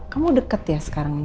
kamu deket ya sekarang